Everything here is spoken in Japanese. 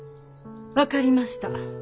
分かりました。